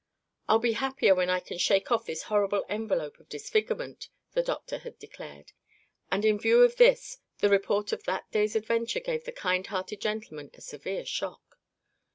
"I'll be happier when I can shake off this horrible envelope of disfigurement," the doctor had declared, and in view of this the report of that day's adventure gave the kind hearted gentleman a severe shock.